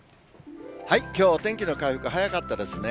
きょう、お天気の回復が早かったですね。